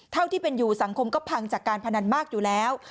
เท่าที่เป็นอยู่สังคมก็พังจากการพนันมากอยู่แล้ว